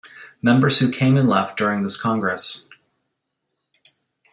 Members who came and left during this Congress.